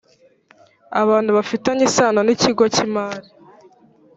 abantu bafitanye isano n’ ikigo cy’ imari